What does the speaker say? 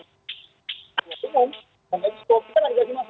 kita tinggal singgung sampai cukup kita gak bisa masuk